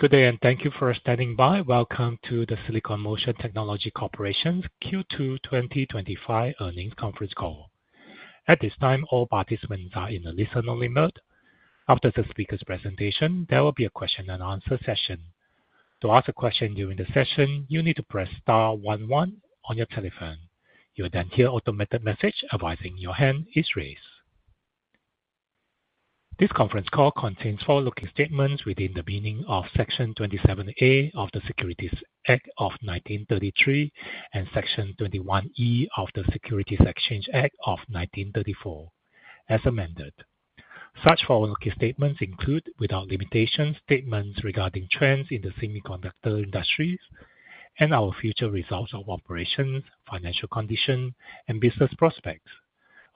Good day and thank you for standing by. Welcome to the Silicon Motion Technology Corporation's Q2 2025 Earnings Conference Call. At this time, all participants are in a listen-only mode. After the speaker's presentation, there will be a question and answer session. To ask a question during the session, you need to press star one, one on your telephone. You will then hear an automated message advising your hand is raised. This conference call contains forward-looking statements within the meaning of Section 27(a) of the Securities Act of 1933 and Section 21(e) of the Securities Exchange Act of 1934, as amended. Such forward-looking statements include, without limitations, statements regarding trends in the semiconductor industry and our future results of operations, financial condition, and business prospects.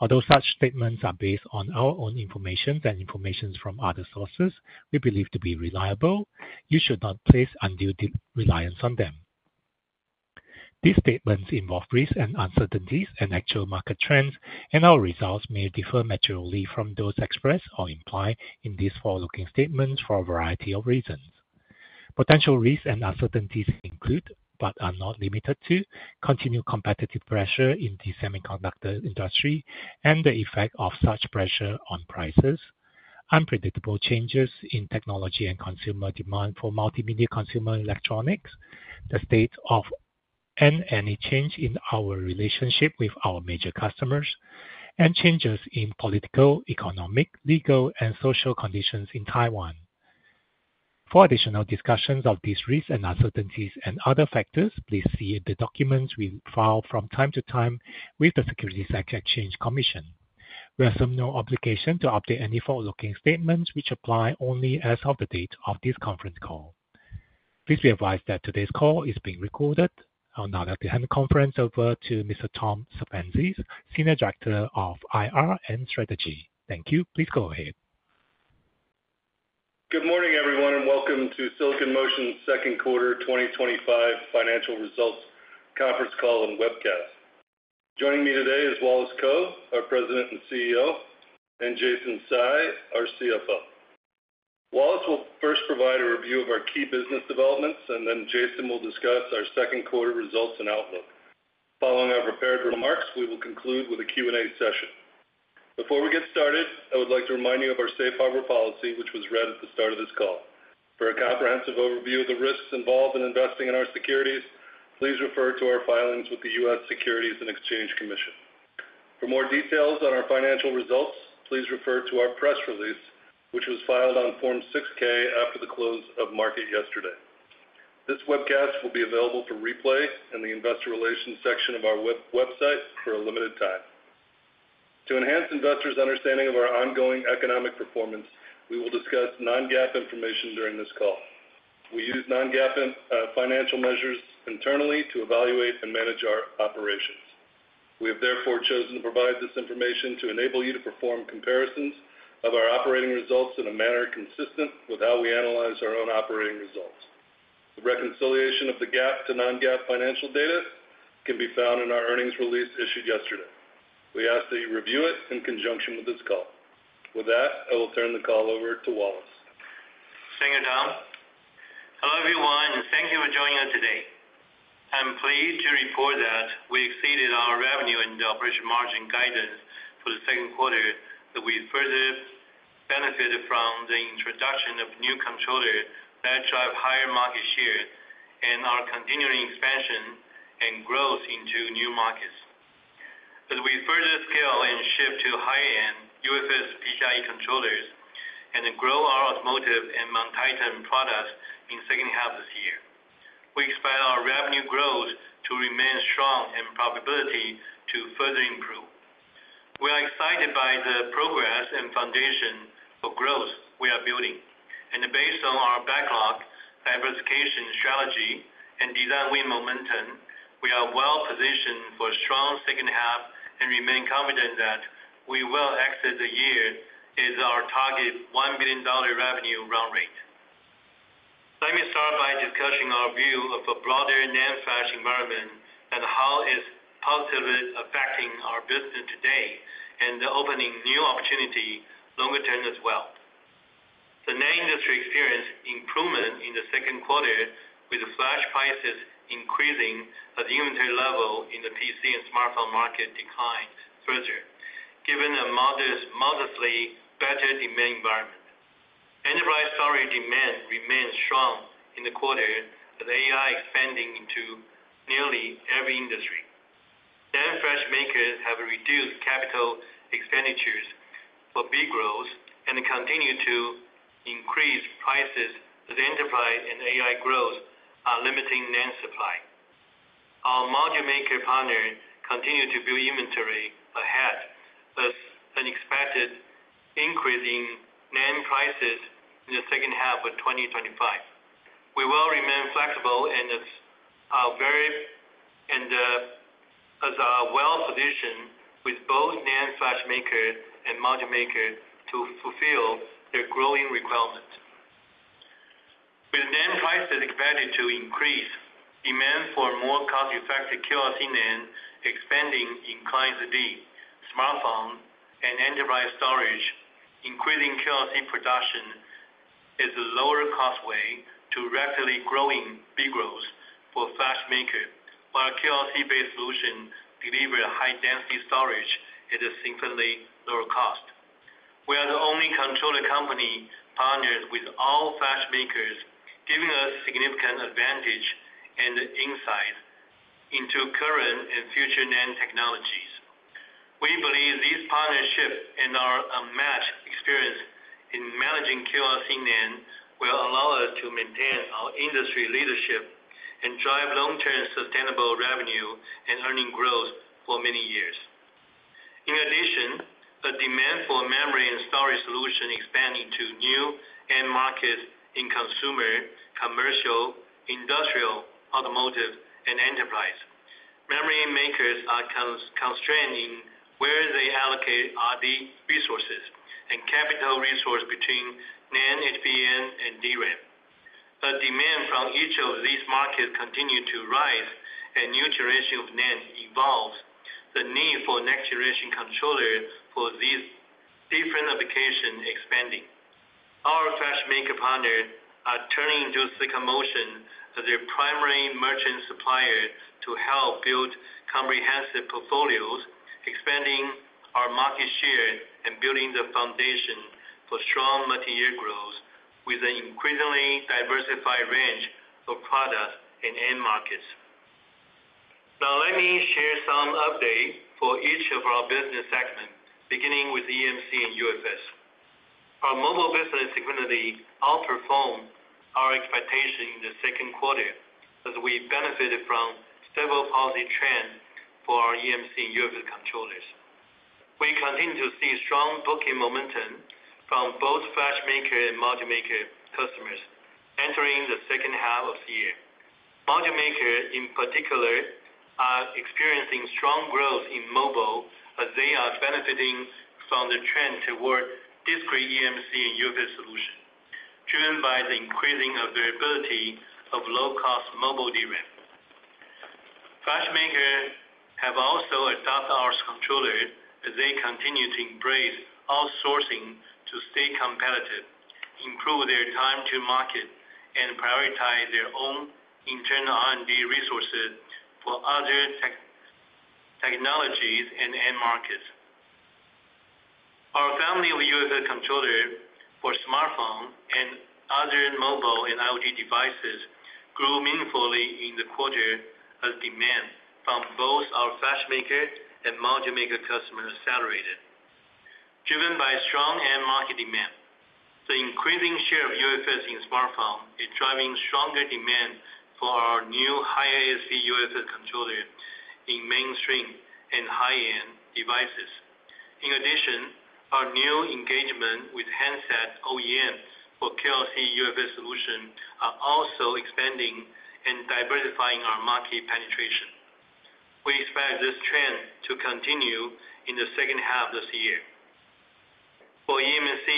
Although such statements are based on our own information and information from other sources we believe to be reliable, you should not place undue reliance on them. These statements involve risks and uncertainties and actual market trends, and our results may differ materially from those expressed or implied in these forward-looking statements for a variety of reasons. Potential risks and uncertainties include, but are not limited to, continued competitive pressure in the semiconductor industry and the effect of such pressure on prices, unpredictable changes in technology and consumer demand for multimedia consumer electronics, the state of any change in our relationship with our major customers, and changes in political, economic, legal, and social conditions in Taiwan. For additional discussions of these risks and uncertainties and other factors, please see the documents we file from time to time with the Securities and Exchange Commission. We assume no obligation to update any forward-looking statements which apply only as of the date of this conference call. Please be advised that today's call is being recorded. I will now like to hand the conference over to Mr. Tom Sepenzis, Senior Director of IR and Strategy. Thank you. Please go ahead. Good morning, everyone, and welcome to Silicon Motion's Second Quarter 2025 Financial Results Conference Call and Webcast. Joining me today is Wallace Kou, our President and CEO, and Jason Tsai, our CFO. Wallace will first provide a review of our key business developments, and then Jason will discuss our second quarter results and outlook. Following our prepared remarks, we will conclude with a Q&A session. Before we get started, I would like to remind you of our safe harbor policy, which was read at the start of this call. For a comprehensive overview of the risks involved in investing in our securities, please refer to our filings with the U.S. Securities and Exchange Commission. For more details on our financial results, please refer to our press release, which was filed on Form 6-K after the close of market yesterday. This webcast will be available for replay in the Investor Relations section of our website for a limited time. To enhance investors' understanding of our ongoing economic performance, we will discuss non-GAAP information during this call. We use non-GAAP financial measures internally to evaluate and manage our operations. We have therefore chosen to provide this information to enable you to perform comparisons of our operating results in a manner consistent with how we analyze our own operating results. The reconciliation of the GAAP to non-GAAP financial data can be found in our earnings release issued yesterday. We ask that you review it in conjunction with this call. With that, I will turn the call over to Wallace. Thank you Tom. Hello, everyone, and thank you for joining us today. I'm pleased to report that we exceeded our revenue and operating margin guidance for the second quarter. We further benefited from the introduction of new controllers that drive higher market shares and our continuing expansion and growth into new markets. As we further scale and shift to high-end UFS PCIe controllers and grow our automotive and MonTitan products in the second half of this year, we expect our revenue growth to remain strong and profitability to further improve. We are excited by the progress and foundation for growth we are building. Based on our backlog, diversification strategy, and design win momentum, we are well positioned for a strong second half and remain confident that we will exit the year with our target $1 billion revenue run rate. Let me start by discussing our view of a broader NAND flash environment and how it's positively affecting our business today and opening new opportunities longer term as well. The NAND industry experienced improvement in the second quarter with flash prices increasing as the inventory level in the PC and smartphone market declined further, given a modestly better demand environment. Enterprise storage demand remains strong in the quarter with AI expanding into nearly every industry. NAND flash makers have reduced capital expenditures for big growth and continue to increase prices as enterprise and AI growth are limiting NAND supply. Our module maker partners continue to build inventory ahead, with an expected increase in NAND prices in the second half of 2025. We will remain flexible and are well positioned with both NAND flash makers and module makers to fulfill their growing requirements. With NAND prices expected to increase, demand for more cost-effective QLC NAND expanding increases in smartphone and enterprise storage, increasing QLC production is a lower cost way to rapidly grow big growth for flash makers, while QLC-based solutions deliver high-density storage at a significantly lower cost. We are the only controller company partnered with all flash makers, giving us significant advantages and insights into current and future NAND technologies. We believe this partnership and our unmatched experience in managing QLC NAND will allow us to maintain our industry leadership and drive long-term sustainable revenue and earnings growth for many years. In addition, the demand for memory and storage solutions expands into new end markets in consumer, commercial, industrial, automotive, and enterprise. Memory makers are constrained in where they allocate R&D resources and capital resources between NAND, HBM, and DRAM. The demand from each of these markets continues to rise, and new generations of NAND evolve, with the need for next-generation controllers for these different applications expanding. Our flash maker partners are turning to Silicon Motion as their primary merchant supplier to help build comprehensive portfolios, expanding our market share and building the foundation for strong multi-year growth with an increasingly diversified range of products and end markets. Now, let me share some updates for each of our business segments, beginning with eMMC and UFS. Our mobile business significantly outperformed our expectations in the second quarter as we benefited from several positive trends for our eMMC/UFS controllers. We continue to see strong booking momentum from both flash makers and module maker customers entering the second half of the year. Module makers, in particular, are experiencing strong growth in mobile as they are benefiting from the trend toward discrete eMMC/UFS solutions, driven by the increasing availability of low-cost mobile DRAM. Flash makers have also adopted our controllers as they continue to embrace outsourcing to stay competitive, improve their time to market, and prioritize their own internal R&D resources for other technologies and end markets. Our family of UFS controllers for smartphone and other mobile and IoT devices grew meaningfully in the quarter as demand from both our flash maker and module maker customers accelerated. Driven by strong end market demand, the increasing share of UFS in smartphones is driving stronger demand for our new high-ISP UFS controllers in mainstream and high-end devices. In addition, our new engagement with handset OEMs for QLC UFS solutions is also expanding and diversifying our market penetration. We expect this trend to continue in the second half of this year. For eMMC,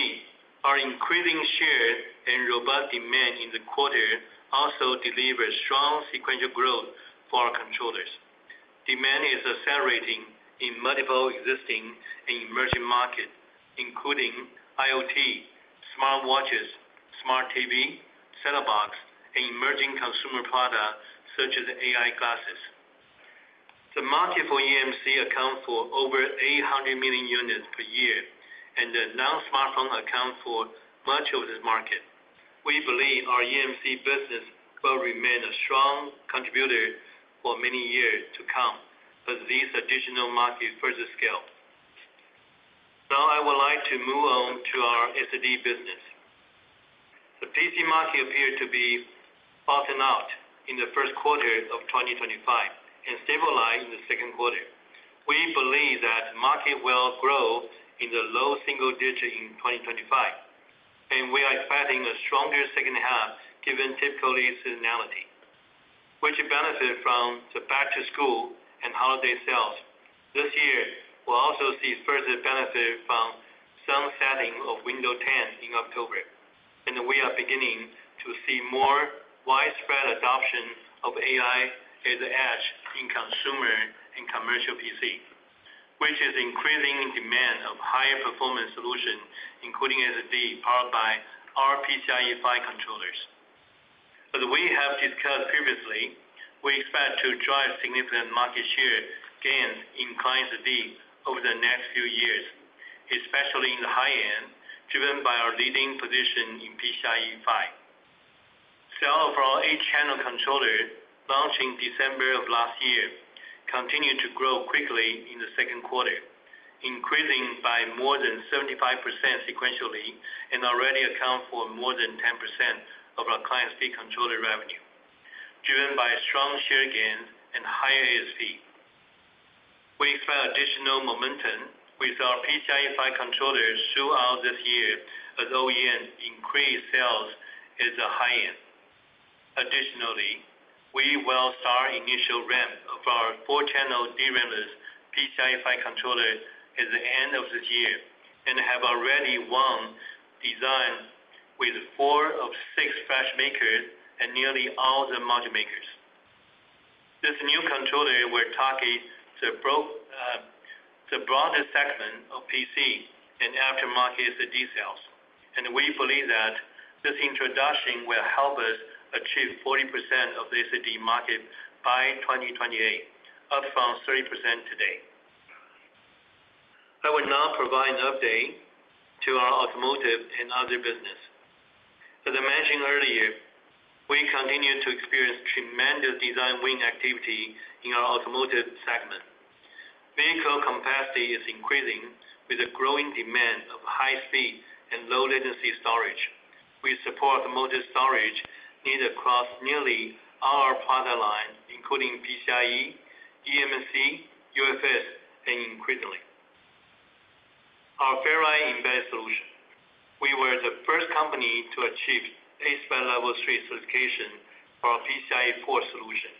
our increasing share and robust demand in the quarter also delivered strong sequential growth for our controllers. Demand is accelerating in multiple existing and emerging markets, including IoT, smartwatches, smart TVs, set-top boxes, and emerging consumer products such as AI glasses. The market for eMMC accounts for over 800 million units per year, and non-smartphones account for much of this market. We believe our eMMC business will remain a strong contributor for many years to come as these additional markets further scale. Now, I would like to move on to our SSD business. The PC market appeared to be bottomed out in the first quarter of 2025 and stabilized in the second quarter. We believe that the market will grow in the low single digits in 2025, and we are expecting a stronger second half given typical seasonality, which benefits from the back-to-school and holiday sales. This year, we'll also see further benefits from sunsetting of Windows 10 in October, and we are beginning to see more widespread adoption of AI at the edge in consumer and commercial PC, which is increasing the demand for high-performance solutions, including SSD, powered by our PCIe 5.0 controllers. As we have discussed previously, we expect to drive significant market share gains in client SSD over the next few years, especially in the high end, driven by our leading position in PCIe 5.0. Sales for our eight-channel controller, launched in December of last year, continued to grow quickly in the second quarter, increasing by more than 75% sequentially and already accounts for more than 10% of our client SSD controller revenue, driven by strong share gains and high ASP. We expect additional momentum with our PCIe 5.0 controllers throughout this year as OEMs increase sales at the high end. Additionally, we will start the initial ramp of our four-channel DRAMless PCIe 5.0 controller at the end of this year and have already won designs with four of six flash makers and nearly all the module makers. This new controller will target the broader segment of PC and aftermarket SSD sales, and we believe that this introduction will help us achieve 40% of the SSD market by 2028, up from 30% today. I will now provide an update to our automotive and other business. As I mentioned earlier, we continue to experience tremendous design win activity in our automotive segment. Vehicle capacity is increasing with a growing demand for high-speed and low-latency storage. We support automotive storage needed across nearly all our product lines, including PCIe, eMMC, UFS, and increasingly our Ferri embedded solution. We were the first company to achieve ASPICE Level 3 certification for our PCIe 4.0 solution,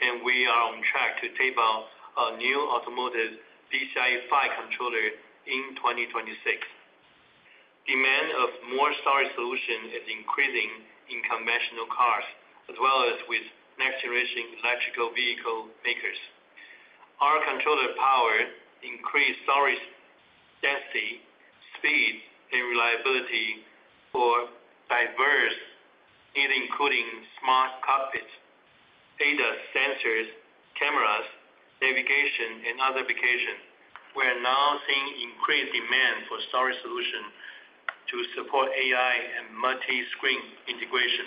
and we are on track to table a new automotive PCIe 5.0 controller in 2026. Demand for more storage solutions is increasing in conventional cars, as well as with next-generation electric vehicle makers. Our controller power increases storage density, speed, and reliability for diverse needs, including smart cockpits, ADAS sensors, cameras, navigation, and other applications. We are now seeing increased demand for storage solutions to support AI and multi-screen integration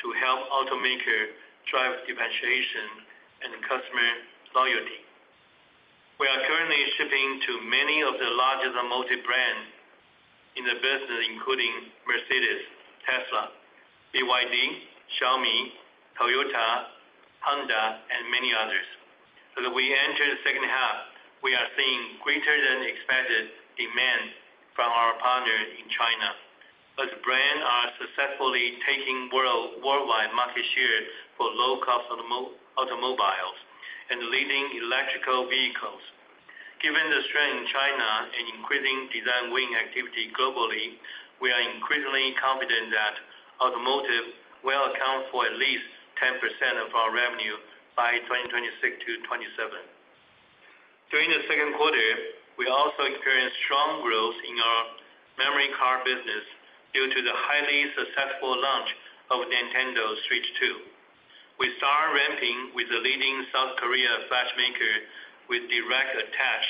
to help automakers drive differentiation and customer loyalty. We are currently shipping to many of the largest automotive brands in the business, including Mercedes, Tesla, BYD, Xiaomi, Toyota, Honda, and many others. As we enter the second half, we are seeing greater-than-expected demand from our partners in China. Those brands are successfully taking worldwide market share for low-cost automobiles and leading electric vehicles. Given the strength in China and increasing design win activity globally, we are increasingly confident that automotive will account for at least 10% of our revenue by 2026-2027. During the second quarter, we also experienced strong growth in our memory card business due to the highly successful launch of Nintendo Switch 2. We started ramping with the leading South Korean flash maker with direct attach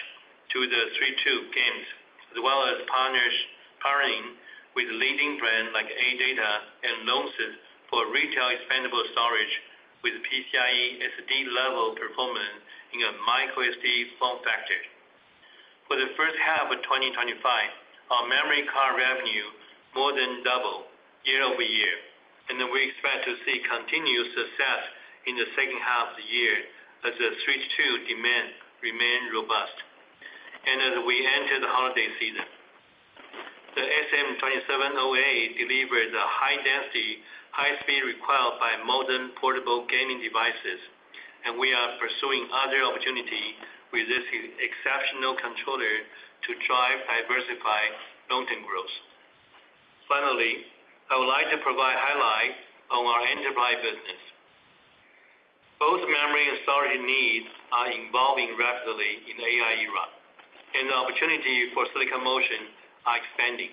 to the Switch 2 games, as well as partnering with leading brands like ADATA and Knowles for retail expandable storage with PCIe SSD-level performance in a microSD form factor. For the first half of 2025, our memory card revenue more than doubled year-over-year, and we expect to see continued success in the second half of the year as the Switch 2 demand remains robust. As we enter the holiday season, the SM270A delivers the high-density, high-speed required by modern portable gaming devices, and we are pursuing other opportunities with this exceptional controller to drive diversified long-term growth. Finally, I would like to provide a highlight on our enterprise business. Both memory and storage needs are evolving rapidly in the AI era, and the opportunities for Silicon Motion are expanding.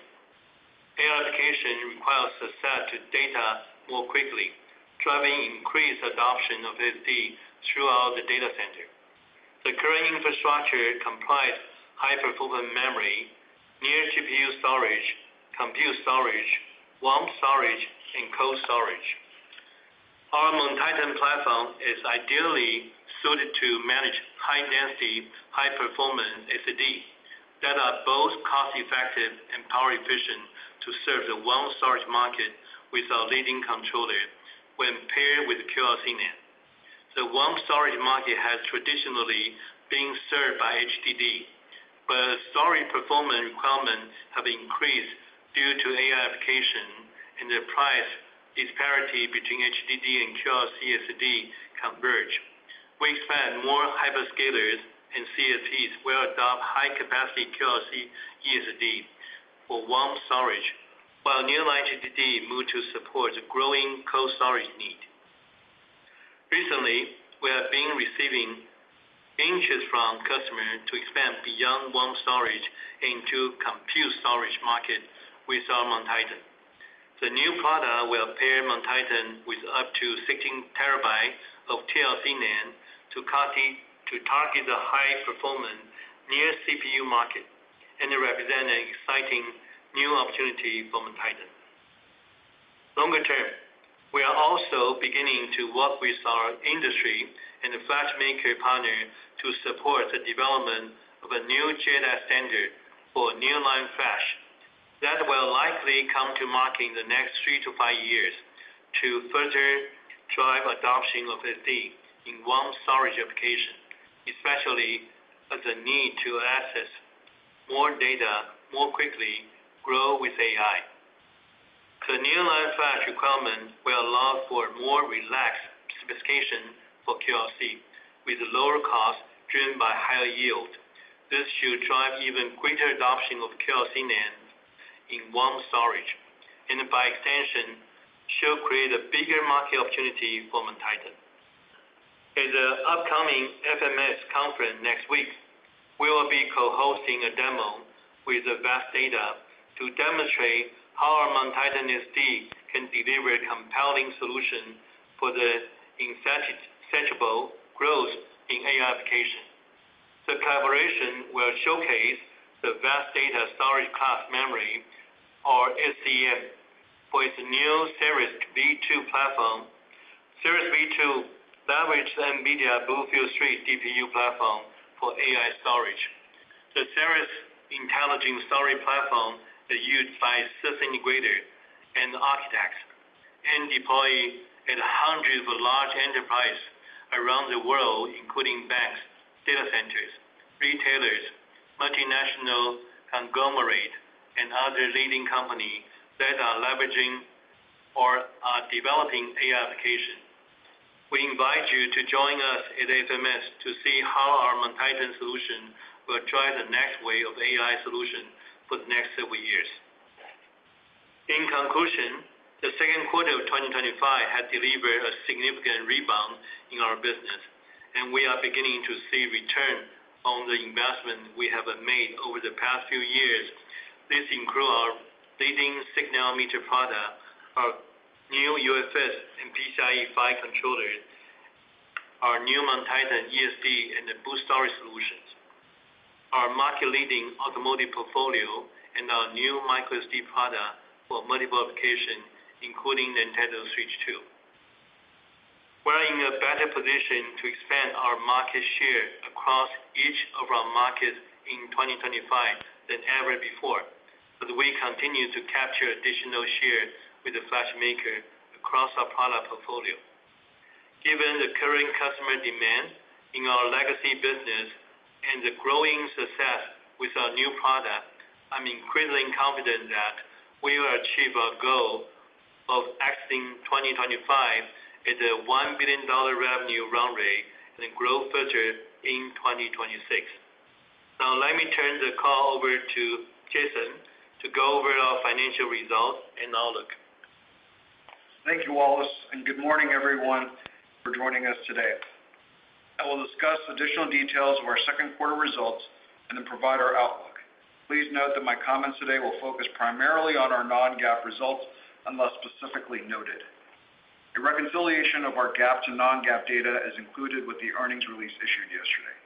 AI applications require access to data more quickly, driving increased adoption of SSD throughout the data center. The current infrastructure comprises high-performance memory, near-GPU storage, compute storage, warm storage, and cold storage. Our MonTitan platform is ideally suited to manage high-density, high-performance SSDs that are both cost-effective and power-efficient to serve the warm storage market with our leading controller when paired with QLC NAND. The warm storage market has traditionally been served by HDD, but storage performance requirements have increased due to AI applications, and the price disparities between HDD and QLC SSD converge. We expect more hyperscalers and CSPs will adopt high-capacity QLC eSSD for warm storage, while near-line HDD move to support the growing cold storage need. Recently, we have been receiving interest from customers to expand beyond warm storage into the compute storage market with our MonTitan. The new product will pair MonTitan with up to 16 TB of TLC NAND to target the high-performance near-CPU market, and it represents an exciting new opportunity for MonTitan. Longer term, we are also beginning to work with our industry and flash maker partners to support the development of a new JEDEC standard for near-line flash that will likely come to market in the next three to five years to further drive adoption of SSD in warm storage applications, especially as the need to access more data more quickly grows with AI. The near-line flash requirements will allow for more relaxed specifications for QLC with lower costs driven by higher yields. This should drive even greater adoption of QLC NAND in warm storage, and by extension, should create a bigger market opportunity for MonTitan. At the upcoming FMS conference next week, we will be co-hosting a demo with VAST Data to demonstrate how our MonTitan SSD can deliver a compelling solution for the insatiable growth in AI applications. The collaboration will showcase the VAST Data storage class memory, or SCM, for its new Ceres V2 platform. Ceres V2 leverages NVIDIA's BlueField-3 DPU platform for AI storage. The Ceres Intelligence Storage platform is used by system integrators and architects and deployed at hundreds of large enterprises around the world, including banks, data centers, retailers, multinational conglomerates, and other leading companies that are leveraging or are developing AI applications. We invite you to join us at FMS to see how our MonTitan solution will drive the next wave of AI solutions for the next several years. In conclusion, the second quarter of 2025 has delivered a significant rebound in our business, and we are beginning to see returns on the investment we have made over the past few years. This includes our leading six-nanometer product, our new UFS and PCIe 5.0 controllers, our new MonTitan eSSD, and the Blue storage solutions, our market-leading automotive portfolio, and our new microSD product for multiple applications, including Nintendo Switch 2. We are in a better position to expand our market share across each of our markets in 2025 than ever before, as we continue to capture additional share with the NAND flash maker across our product portfolio. Given the current customer demand in our legacy business and the growing success with our new product, I'm increasingly confident that we will achieve our goal of exiting 2025 at a $1 billion revenue run rate and grow further in 2026. Now, let me turn the call over to Jason to go over our financial results and outlook. Thank you, Wallace, and good morning, everyone, for joining us today. I will discuss additional details of our second quarter results and then provide our outlook. Please note that my comments today will focus primarily on our non-GAAP results unless specifically noted. A reconciliation of our GAAP to non-GAAP data is included with the earnings release issued yesterday.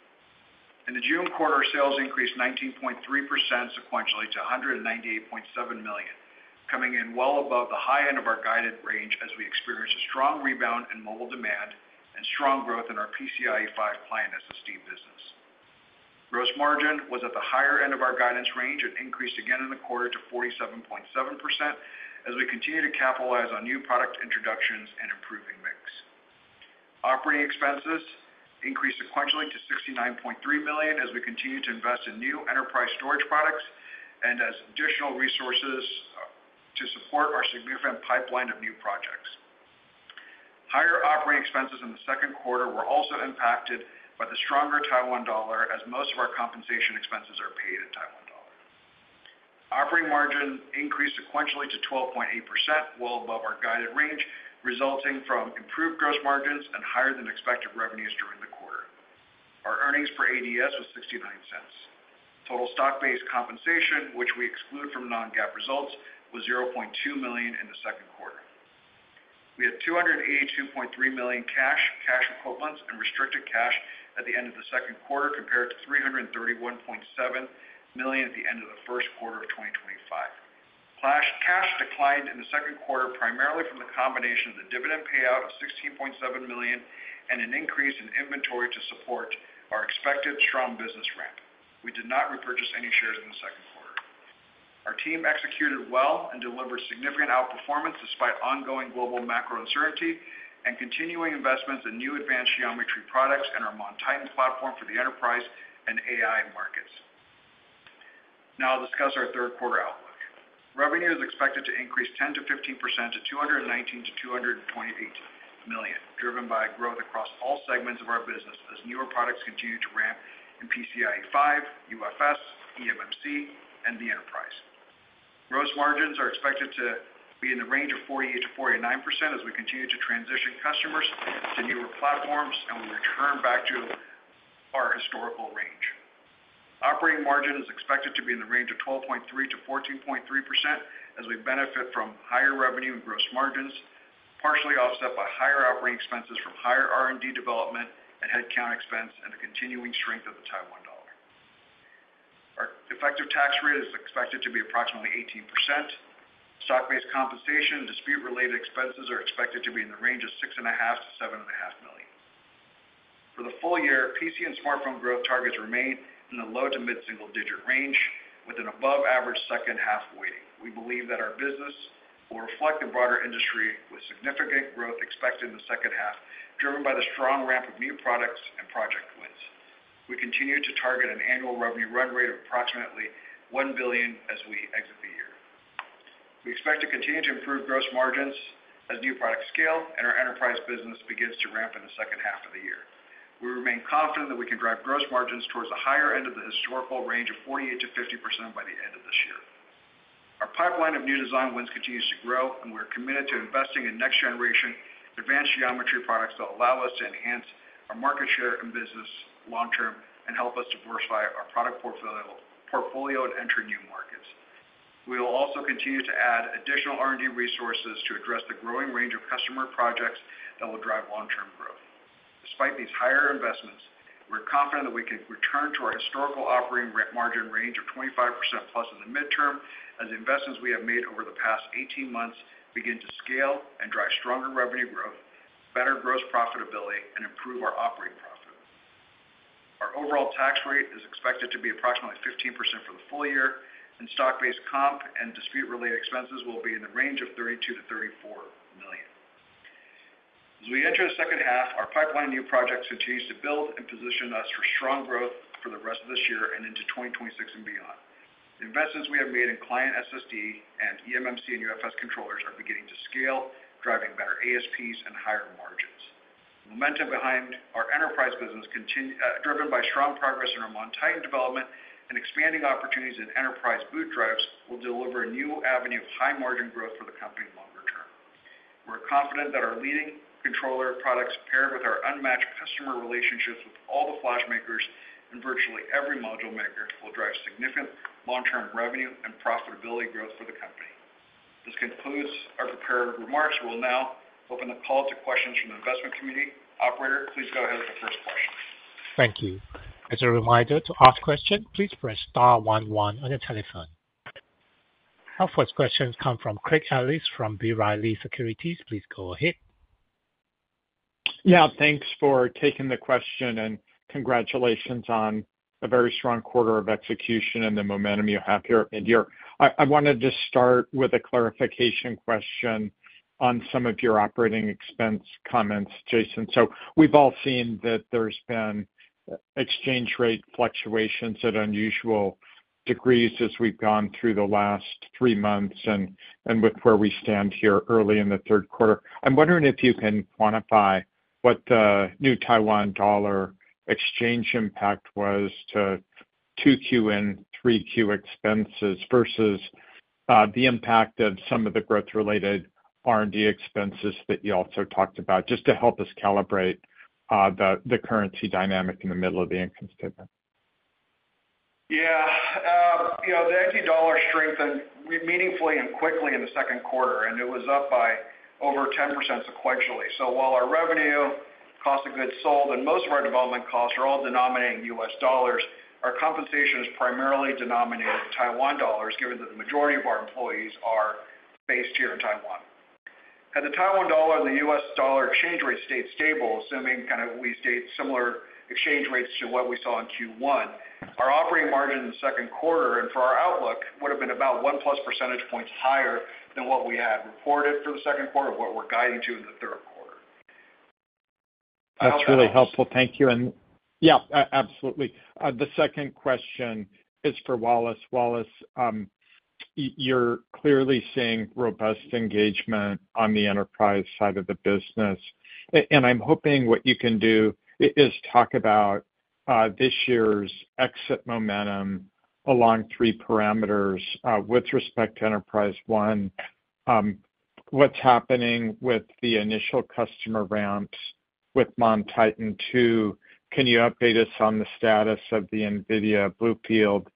In the June quarter, sales increased 19.3% sequentially to $198.7 million, coming in well above the high end of our guided range as we experienced a strong rebound in mobile demand and strong growth in our PCIe 5.0 client SSD business. Gross margin was at the higher end of our guidance range and increased again in the quarter to 47.7% as we continue to capitalize on new product introductions and improving mix. Operating expenses increased sequentially to $69.3 million as we continue to invest in new enterprise storage products and as additional resources to support our significant pipeline of new projects. Higher operating expenses in the second quarter were also impacted by the stronger Taiwan dollar as most of our compensation expenses are paid in Taiwan dollar. Operating margin increased sequentially to 12.8%, well above our guided range, resulting from improved gross margins and higher than expected revenues during the quarter. Our earnings per ADS was $0.69. Total stock-based compensation, which we exclude from non-GAAP results, was $0.2 million in the second quarter. We had $282.3 million cash, cash equivalents, and restricted cash at the end of the second quarter compared to $331.7 million at the end of the first quarter of 2025. Cash declined in the second quarter primarily from the combination of the dividend payout of $16.7 million and an increase in inventory to support our expected strong business ramp. We did not repurchase any shares in the second quarter. Our team executed well and delivered significant outperformance despite ongoing global macro uncertainty and continuing investments in new advanced geometry products and our MonTitan platform for the enterprise and AI markets. Now I'll discuss our third quarter outlook. Revenue is expected to increase 10%-15% to $219 million-$228 million, driven by growth across all segments of our business as newer products continue to ramp in PCIe 5.0, UFS, eMMC, and the enterprise. Gross margins are expected to be in the range of 48%-49% as we continue to transition customers to newer platforms and we return back to our historical range. Operating margin is expected to be in the range of 12.3%-14.3% as we benefit from higher revenue and gross margins, partially offset by higher operating expenses from higher R&D development and headcount expense and the continuing strength of the Taiwan dollar. Our effective tax rate is expected to be approximately 18%. Stock-based compensation and dispute-related expenses are expected to be in the range of $6.5 million-$7.5 million. For the full year, PC and smartphone growth targets remain in the low to mid-single-digit range with an above-average second half waiting. We believe that our business will reflect the broader industry with significant growth expected in the second half, driven by the strong ramp of new products and project wins. We continue to target an annual revenue run rate of approximately $1 billion as we exit the year. We expect to continue to improve gross margins as new products scale and our enterprise business begins to ramp in the second half of the year. We remain confident that we can drive gross margins towards the higher end of the historical range of 48%-50% by the end of this year. Our pipeline of new design wins continues to grow, and we are committed to investing in next-generation advanced geometry products that allow us to enhance our market share and business long term and help us diversify our product portfolio and enter new markets. We will also continue to add additional R&D resources to address the growing range of customer projects that will drive long-term growth. Despite these higher investments, we're confident that we can return to our historical operating margin range of 25% plus in the midterm as investments we have made over the past 18 months begin to scale and drive stronger revenue growth, better gross profitability, and improve our operating profit. Our overall tax rate is expected to be approximately 15% for the full year, and stock-based comp and dispute-related expenses will be in the range of $32 million-$34 million. As we enter the second half, our pipeline of new projects continues to build and position us for strong growth for the rest of this year and into 2026 and beyond. Investments we have made in client SSD and eMMC and UFS controllers are beginning to scale, driving better ASPs and higher margins. Momentum behind our enterprise business, driven by strong progress in our MonTitan development and expanding opportunities in enterprise boot drives, will deliver a new avenue of high margin growth for the company longer term. We're confident that our leading controller products, paired with our unmatched customer relationships with all the flash makers and virtually every module maker, will drive significant long-term revenue and profitability growth for the company. This concludes our prepared remarks. We will now open the call to questions from the investment community. Operator, please go ahead with the first question. Thank you. As a reminder, to ask questions, please press star one, one on your telephone. Our first question comes from Craig Ellis from B. Riley Securities. Please go ahead. Yeah, thanks for taking the question and congratulations on a very strong quarter of execution and the momentum you have here. I wanted to just start with a clarification question on some of your operating expense comments, Jason. We've all seen that there's been exchange rate fluctuations at unusual degrees as we've gone through the last three months and with where we stand here early in the third quarter. I'm wondering if you can quantify what the new Taiwan dollar exchange impact was to 2Q and 3Q expenses versus the impact of some of the growth-related R&D expenses that you also talked about, just to help us calibrate the currency dynamic in the middle of the income statement. Yeah, you know, the NT dollar strengthened meaningfully and quickly in the second quarter, and it was up by over 10% sequentially. While our revenue, cost of goods sold, and most of our development costs are all denominated in U.S. dollars, our compensation is primarily denominated in Taiwan dollars, given that the majority of our employees are based here in Taiwan. Had the Taiwan dollar and the U.S. dollar exchange rate stayed stable, assuming kind of we stayed similar exchange rates to what we saw in Q1, our operating margin in the second quarter and for our outlook would have been about one plus percentage points higher than what we had reported for the second quarter of what we're guiding to in the third quarter. That's really helpful. Thank you. Yeah, absolutely. The second question is for Wallace. Wallace, you're clearly seeing robust engagement on the enterprise side of the business, and I'm hoping what you can do is talk about this year's exit momentum along three parameters, with respect to enterprise. One, what's happening with the initial customer ramps with MonTitan? Two, can you update us on the status of the NVIDIA BlueField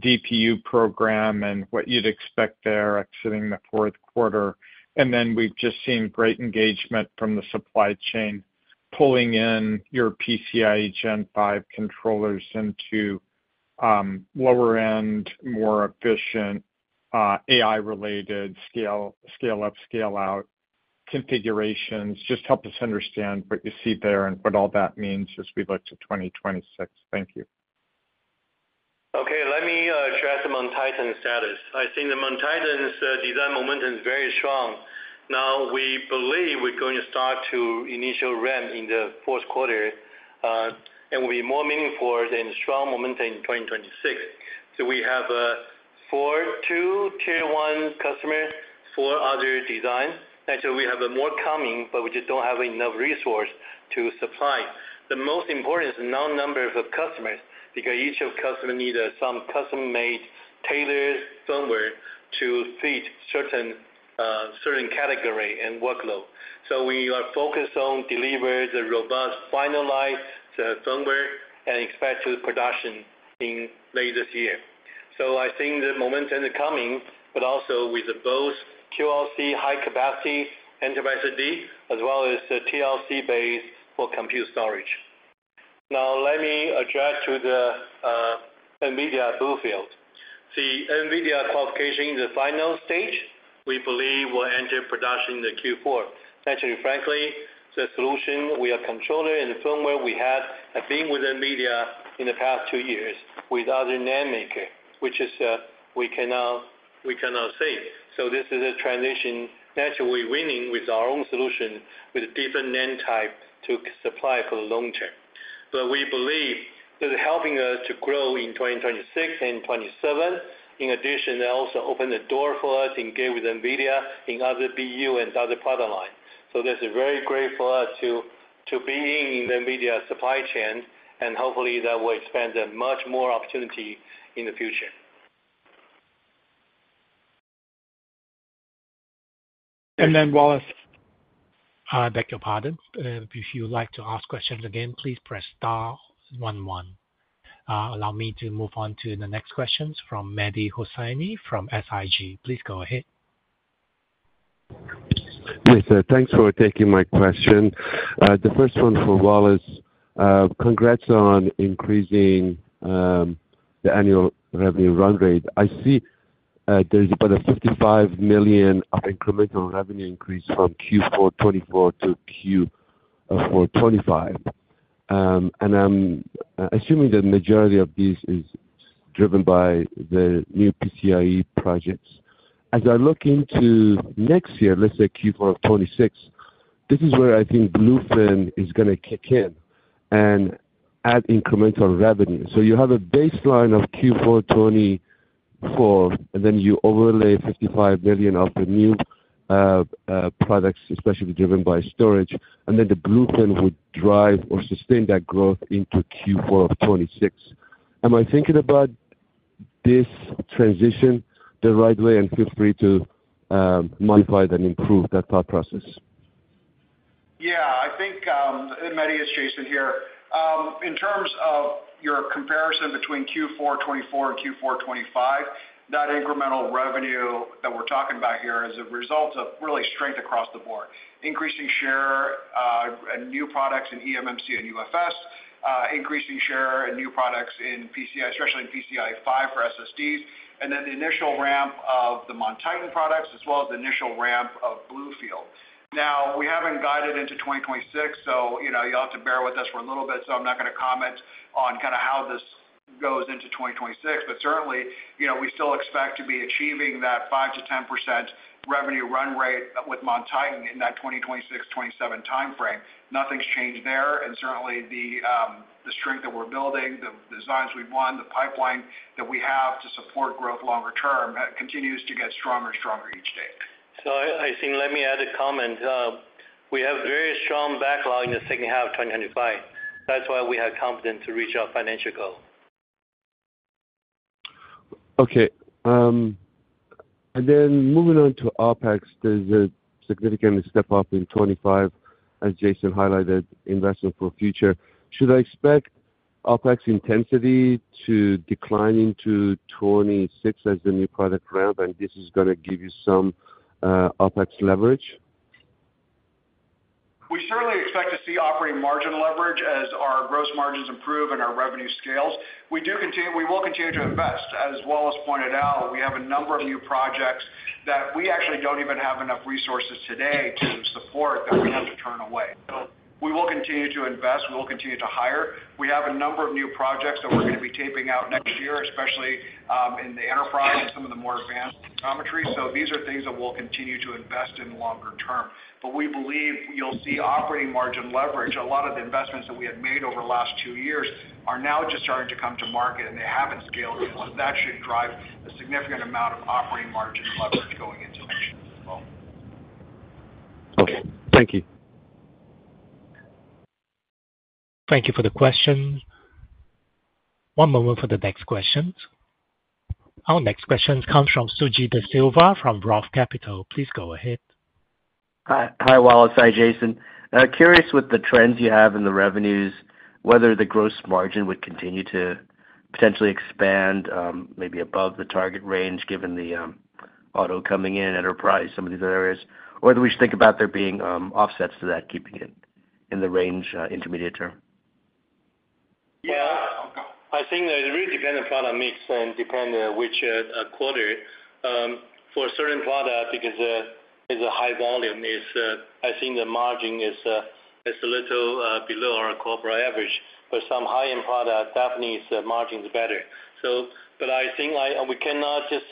DPU program and what you'd expect there exiting the fourth quarter? We've just seen great engagement from the supply chain pulling in your PCIe Gen5 controllers into lower-end, more efficient, AI-related scale-up, scale-out configurations. Just help us understand what you see there and what all that means as we look to 2026. Thank you. Okay, let me try the MonTitan status. I think the MonTitan's design momentum is very strong. Now, we believe we're going to start to initial ramp in the fourth quarter, and will be more meaningful than strong momentum in 2026. We have four, two tier one customers, four other designs. Actually, we have more coming, but we just don't have enough resources to supply. The most important is the number of customers because each customer needs some custom-made tailored firmware to fit certain categories and workload, so we are focused on delivering the robust finalized firmware and expect production in later this year. I think the momentum is coming, also with both QLC high-capacity enterprise SSD as well as TLC-based for compute storage. Now, let me address the NVIDIA BlueField. The NVIDIA qualification is in the final stage. We believe we'll enter production in the Q4. Actually, frankly, the solution we are controlling and the firmware we have have been with NVIDIA in the past two years with other NAND makers, which we cannot say. This is a transition. Actually, we're winning with our own solution with a different NAND type to supply for the long term. We believe that helping us to grow in 2026 and 2027. In addition, they also opened the door for us to engage with NVIDIA in other BU and other product lines. That's very great for us to be in the NVIDIA supply chain, and hopefully that will expand much more opportunity in the future. Wallace. I beg your pardon. If you would like to ask questions again, please press star one, one. Allow me to move on to the next question from Mehdi Hosseini from SIG. Please go ahead. Yes, thanks for taking my question. The first one for Wallace. Congrats on increasing the annual revenue run rate. I see there's about a $55 million incremental revenue increase from Q4 2024-Q4 2025. I'm assuming the majority of this is driven by the new PCIe projects. As I look into next year, let's say Q4 of 2026, this is where I think BlueField is going to kick in and add incremental revenue. You have a baseline of Q4 2024, and then you overlay $55 million of the new products, especially driven by storage, and then the BlueField would drive or sustain that growth into Q4 of 2026. Am I thinking about this transition the right way? Feel free to modify it and improve that thought process. Yeah, I think, and Mehdi, it's Jason here. In terms of your comparison between Q4 2024 and Q4 2025, that incremental revenue that we're talking about here is a result of really strength across the board. Increasing share in new products in eMMC and UFS, increasing share in new products in PCIe, especially in PCIe 5.0 for SSDs, and then the initial ramp of the MonTitan products as well as the initial ramp of BlueField. Now, we haven't guided into 2026, so you'll have to bear with us for a little bit. I'm not going to comment on kind of how this goes into 2026, but certainly, you know, we still expect to be achieving that 5%-10% revenue run rate with MonTitan in that 2026-2027 timeframe. Nothing's changed there, and certainly the strength that we're building, the designs we've won, the pipeline that we have to support growth longer term continues to get stronger and stronger each day. I think let me add a comment. We have a very strong backlog in the second half of 2025. That's why we have confidence to reach our financial goal. Okay. Moving on to OpEx, there's a significant step up in 2025, as Jason highlighted, investment for future. Should I expect OpEx intensity to decline into 2026 as the new product ramp, and this is going to give you some OpEx leverage? We certainly expect to see operating margin leverage as our gross margins improve and our revenue scales. We do continue, we will continue to invest. As Wallace pointed out, we have a number of new projects that we actually don't even have enough resources today to support that we have to turn away. We will continue to invest. We will continue to hire. We have a number of new projects that we're going to be taping out next year, especially in the enterprise and some of the more advanced geometry. These are things that we'll continue to invest in longer term. We believe you'll see operating margin leverage. A lot of the investments that we had made over the last two years are now just starting to come to market, and they haven't scaled yet. That should drive a significant amount of operating margin leverage going into next year as well. Okay. Thank you. Thank you for the question. One moment for the next question. Our next question comes from Suji Desilva from ROTH Capital. Please go ahead. Hi, Wallace. Hi, Jason. Curious with the trends you have in the revenues, whether the gross margin would continue to potentially expand maybe above the target range given the auto coming in, enterprise, some of these other areas, or whether we should think about there being offsets to that, keeping it in the range intermediate term. Yeah, I think it really depends on the product mix and depends on which quarter. For a certain product, because it's a high volume, I think the margin is a little below our corporate average. For some high-end products, definitely the margin is better. I think we cannot just,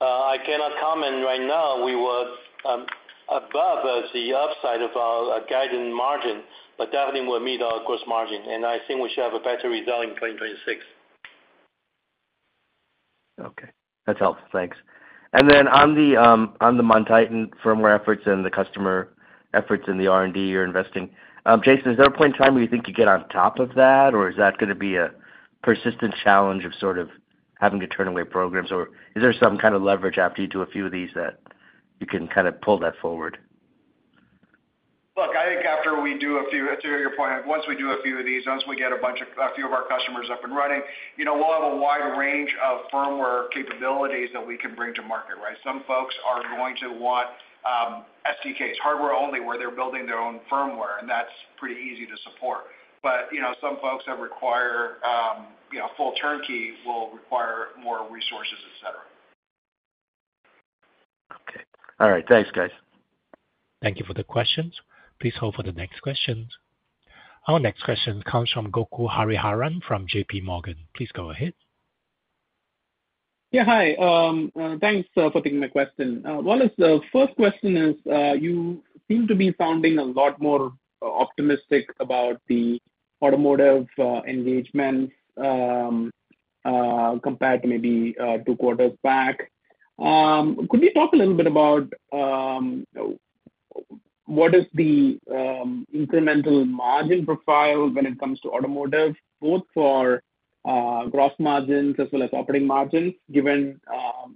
I cannot comment right now. We were above the upside of our guided margin, but definitely we'll meet our gross margin, and I think we should have a better result in 2026. Okay. That helps. Thanks. On the MonTitan firmware efforts and the customer efforts in the R&D you're investing, Jason, is there a point in time where you think you get on top of that, or is that going to be a persistent challenge of sort of having to turn away programs, or is there some kind of leverage after you do a few of these that you can kind of pull that forward? I think after we do a few, to your point, once we do a few of these, once we get a bunch of a few of our customers up and running, we'll have a wide range of firmware capabilities that we can bring to market, right? Some folks are going to want SDKs, hardware only, where they're building their own firmware, and that's pretty easy to support. Some folks that require full turnkey will require more resources, etc. Okay. All right. Thanks, guys. Thank you for the questions. Please hold for the next questions. Our next question comes from Gokul Hariharan from JPMorgan. Please go ahead. Yeah, hi. Thanks for taking my question. Wallace, the first question is you seem to be sounding a lot more optimistic about the automotive engagements compared to maybe two quarters back. Could you talk a little bit about what is the incremental margin profile when it comes to automotive, both for gross margins as well as operating margins, given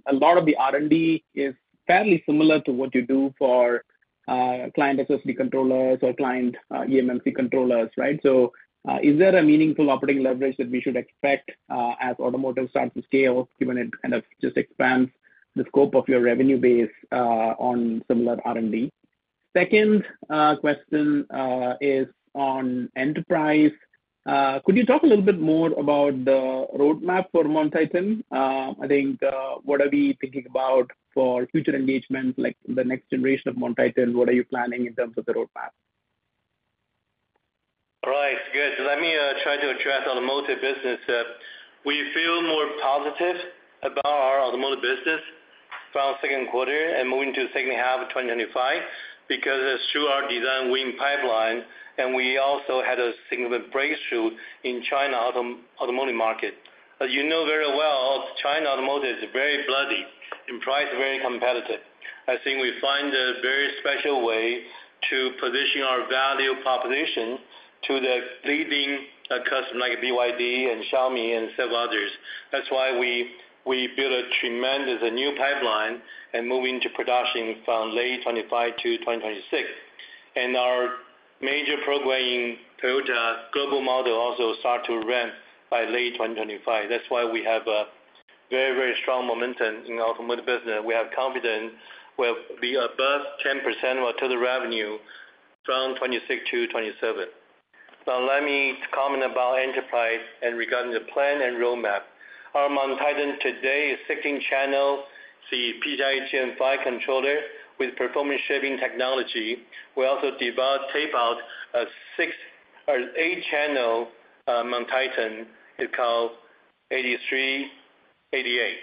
a lot of the R&D is fairly similar to what you do for client SSD controllers or client eMMC controllers, right? Is there a meaningful operating leverage that we should expect as automotive starts to scale given it kind of just expands the scope of your revenue base on similar R&D? Second question is on enterprise. Could you talk a little bit more about the roadmap for MonTitan? I think what are we thinking about for future engagements like the next generation of MonTitan? What are you planning in terms of the roadmap? All right. Good. Let me try to address automotive business. We feel more positive about our automotive business from the second quarter and moving to the second half of 2025 because it's through our design win pipeline, and we also had a significant breakthrough in the China automotive market. As you know very well, China automotive is very bloody and priced very competitive. I think we find a very special way to position our value proposition to the leading customers like BYD and Xiaomi and several others. That's why we built a tremendous new pipeline and moved into production from late 2025-2026. Our major program in Toyota global model also starts to ramp by late 2025. That's why we have a very, very strong momentum in the automotive business. We have confidence we'll be above 10% of our total revenue from 2026-2027. Now, let me comment about enterprise and regarding the plan and roadmap. Our MonTitan today is 16-channel, the PCIe 5.0 controller with performance shaping technology. We also developed a six or eight-channel MonTitan. It's called 8388,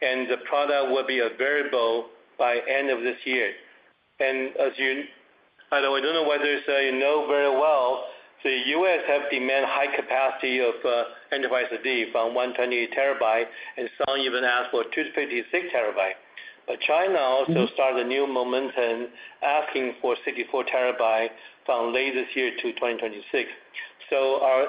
and the product will be available by the end of this year. As you know, I don't know whether you know very well, the U.S. has demanded high capacity of enterprise SSD from 128 TB, and some even ask for 256 TB. China also started a new momentum asking for 64 TB from late this year to 2026. Our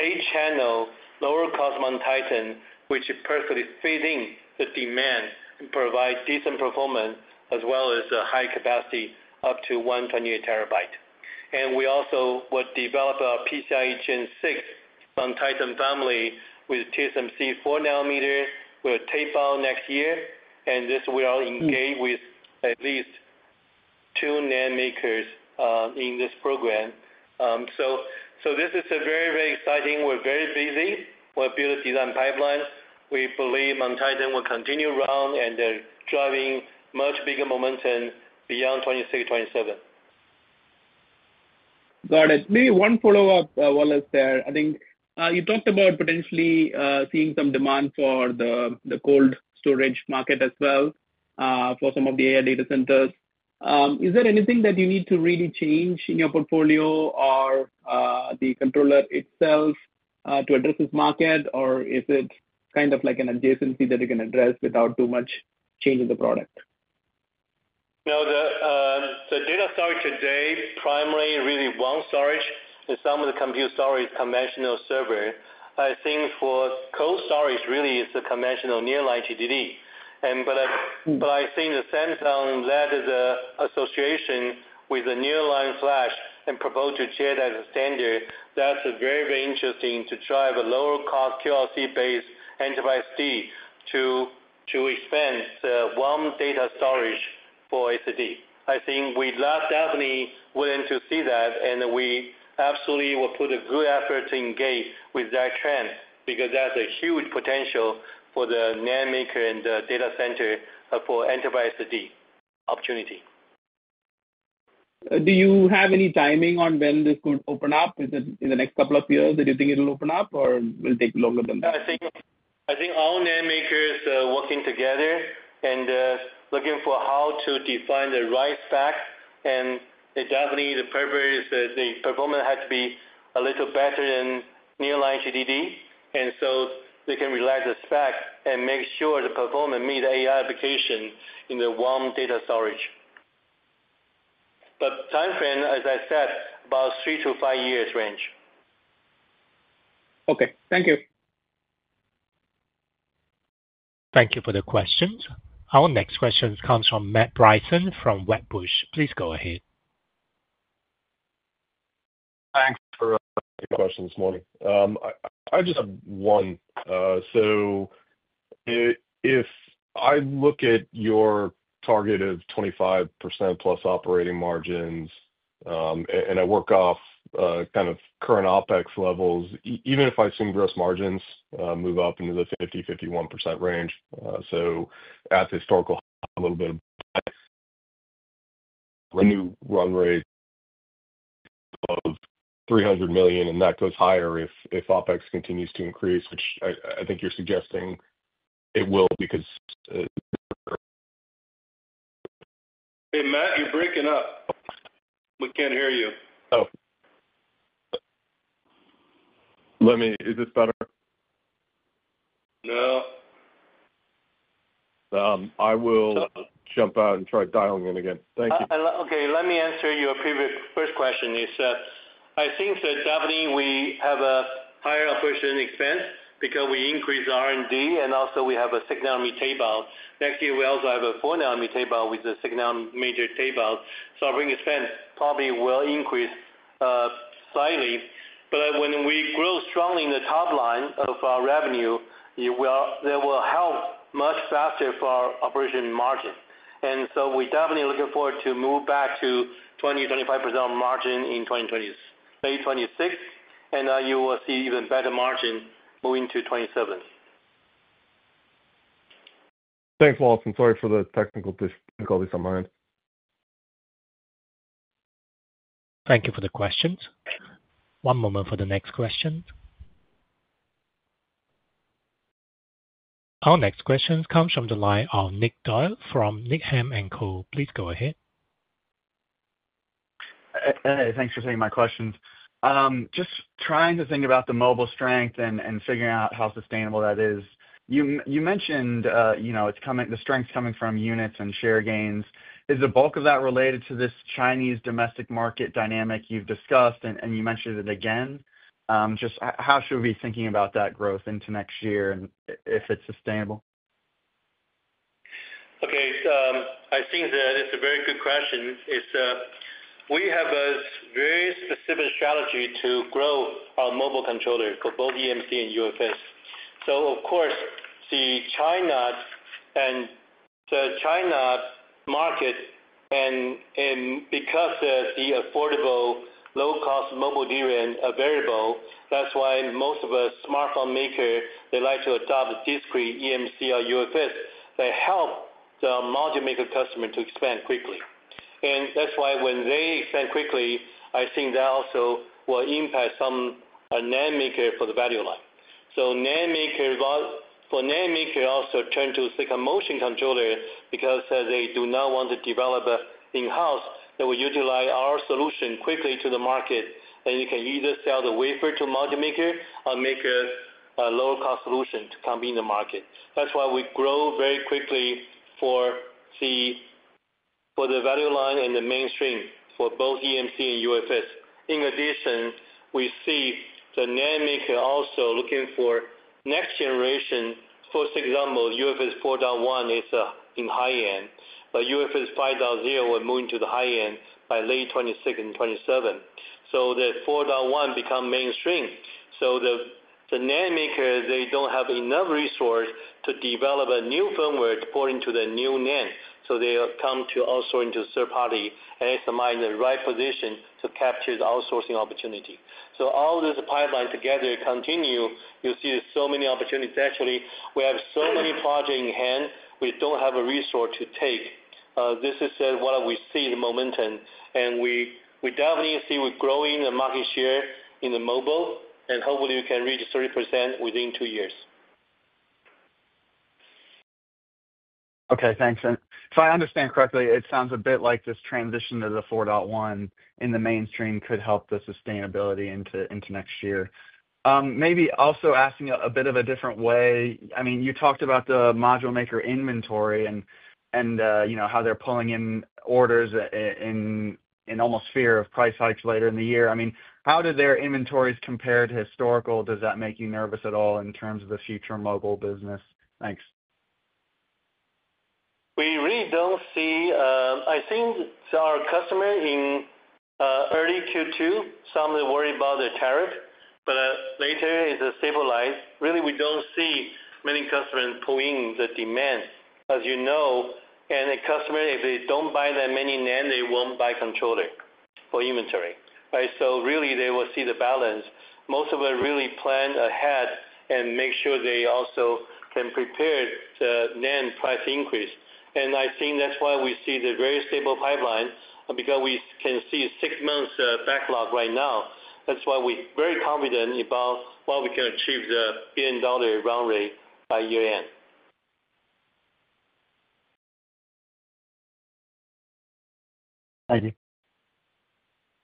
eight-channel lower-cost MonTitan, which is perfectly fitting the demand and provides decent performance as well as high capacity up to 128 TB. We also will develop our PCIe Gen6 MonTitan family with TSMC 4-nanometer. We'll tap out next year, and we are engaged with at least two NAND makers in this program. This is very, very exciting. We're very busy. We'll build a design pipeline. We believe MonTitan will continue to run and drive much bigger momentum beyond 2026-2027. Got it. Maybe one follow-up, Wallace, there. I think you talked about potentially seeing some demand for the cold storage market as well for some of the AI data centers. Is there anything that you need to really change in your portfolio or the controller itself to address this market, or is it kind of like an adjacency that you can address without too much change in the product? Data storage today, primary really one storage, and some of the compute storage is conventional server. I think for cold storage really is the conventional near-line HDD. I think Samsung led the association with the near-line flash and proposed to share that standard. That's very, very interesting to drive a lower-cost QLC-based enterprise SSD to expand warm data storage for SSD. I think we definitely willing to see that, and we absolutely will put a good effort to engage with that trend because that's a huge potential for the NAND maker and the data center for enterprise SSD opportunity. Do you have any timing on when this could open up in the next couple of years? Do you think it'll open up or will it take longer than that? I think all NAND makers are working together and looking for how to define the right specs, and definitely the performance has to be a little better than near-line HDD, so they can relax the specs and make sure the performance meets the AI application in the warm data storage. The timeframe, as I said, is about three to five years range. Okay, thank you. Thank you for the questions. Our next question comes from Matt Bryson from Wedbush. Please go ahead. Thanks for your question this morning. I just have one. If I look at your target of 25% plus operating margins, and I work off kind of current OpEx levels, even if I assume gross margins move up into the 50%, 51% range, at the historical high, a little bit of a new run rate of $300 million, and that goes higher if OpEx continues to increase, which I think you're suggesting it will because Hey, Matt, you're breaking up. We can't hear you. Oh, let me, is this better? No. I will jump out and try dialing in again. Okay. Let me answer your previous first question. I think that definitely we have a higher operation expense because we increased R&D, and also we have a six-nanometer tape out. Next year, we also have a four-nanometer tape out with the six-nanometer tape out. Our bringing expense probably will increase slightly. When we grow strongly in the top line of our revenue, it will help much faster for our operation margin. We're definitely looking forward to move back to 20-25% margin in 2026, and you will see even better margin moving to 27%. Thanks, Wallace. I'm sorry for the technical difficulties on my end. Thank you for the questions. One moment for the next question. Our next question comes from the line of Nick Doyle from Needham & Co. Please go ahead. Thanks for taking my questions. Just trying to think about the mobile strength and figuring out how sustainable that is. You mentioned the strength coming from units and share gains. Is the bulk of that related to this Chinese domestic market dynamic you've discussed? You mentioned it again. Just how should we be thinking about that growth into next year and if it's sustainable? Okay. I think that it's a very good question. We have a very specific strategy to grow our mobile controllers for both eMMC and UFS. Of course, the China market, and because of the affordable low-cost mobile DRAM available, that's why most of the smartphone makers, they like to adopt discrete eMMC or UFS that help the module maker customers to expand quickly. That's why when they expand quickly, I think that also will impact some NAND makers for the value line. NAND makers also turn to Silicon Motion controllers because they do not want to develop in-house. They will utilize our solution quickly to the market, and you can either sell the wafer to a module maker or make a lower-cost solution to compete in the market. That's why we grow very quickly for the value line and the mainstream for both eMMC and UFS. In addition, we see the NAND maker also looking for next generation. For example, UFS 4.1 is in high end, but UFS 5.0 will move into the high end by late 2026 and 2027. The 4.1 becomes mainstream. The NAND makers, they don't have enough resources to develop a new firmware to port into the new NAND. They come to outsource to a third party. Silicon Motion is in the right position to capture the outsourcing opportunity. All of this pipeline together continues, you'll see so many opportunities. Actually, we have so many projects in hand, we don't have a resource to take. This is what we see in the momentum, and we definitely see we're growing the market share in the mobile, and hopefully we can reach 30% within two years. Okay. Thanks. If I understand correctly, it sounds a bit like this transition to the 4.1 in the mainstream could help the sustainability into next year. Maybe also asking a bit of a different way, you talked about the module maker inventory and how they're pulling in orders in almost fear of price hikes later in the year. How do their inventories compare to historical? Does that make you nervous at all in terms of the future mobile business? Thanks. We really don't see. I think our customers in early Q2 somewhat worry about the tariff, but later it's stabilized. We really don't see many customers pulling the demand, as you know. A customer, if they don't buy that many NAND, they won't buy a controller for inventory, right? They will see the balance. Most of them really plan ahead and make sure they also can prepare the NAND price increase. I think that's why we see the very stable pipeline because we can see six months backlog right now. That's why we're very confident about what we can achieve, the billion-dollar run rate by year-end. Thank you.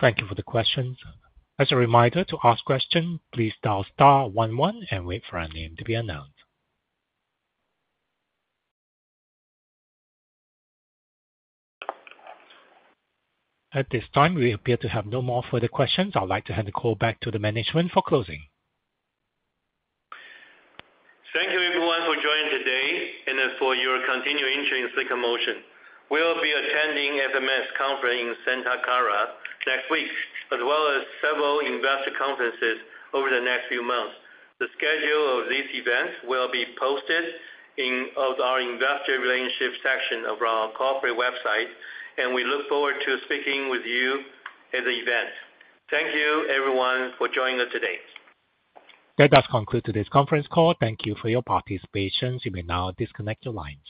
Thank you for the questions. As a reminder, to ask questions, please dial star one one and wait for your name to be announced. At this time, we appear to have no further questions. I would like to hand the call back to the management for closing. Thank you, everyone, for joining today and for your continuing interest in Silicon Motion Technology Corporation. We'll be attending the FMS conference in Santa Clara next week, as well as several investor conferences over the next few months. The schedule of these events will be posted in our Investor Relations section of our corporate website, and we look forward to speaking with you at the event. Thank you, everyone, for joining us today. That does conclude today's conference call. Thank you for your participation. You may now disconnect your lines.